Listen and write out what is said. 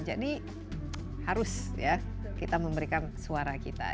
jadi harus ya kita memberikan suara kita